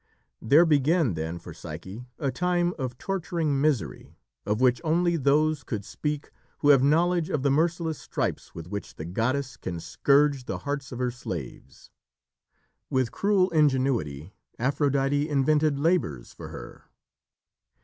There began then for Psyche a time of torturing misery of which only those could speak who have knowledge of the merciless stripes with which the goddess can scourge the hearts of her slaves. With cruel ingenuity, Aphrodite invented labours for her.